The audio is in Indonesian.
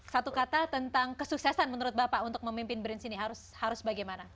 satu kata tentang kesuksesan menurut bapak untuk memimpin brins ini harus bagaimana